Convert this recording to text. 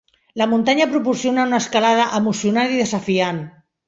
La muntanya proporciona una escalada emocionant i desafiant.